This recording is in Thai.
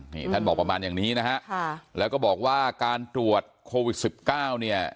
นี่ท่านบอกประมาณอย่างนี้นะฮะแล้วก็บอกว่าการตรวจโควิด๑๙